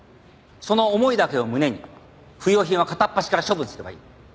その思いだけを胸に不用品は片っ端から処分すればいい。